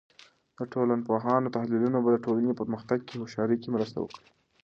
د ټولنپوهانو تحلیلونه به د ټولنې په پرمختګ کې هوښیارۍ کې مرسته وکړي.